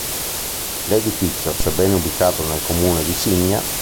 L'edificio, sebbene ubicato nel comune di Signa,